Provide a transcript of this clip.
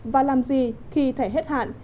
và làm gì khi thẻ hết hạn